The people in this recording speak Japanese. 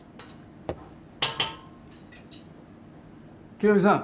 清美さん